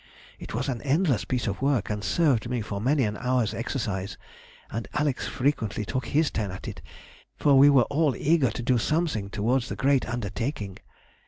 It was an endless piece of work, and served me for many an hour's exercise; and Alex frequently took his turn at it, for we were all eager to do something towards the great undertaking.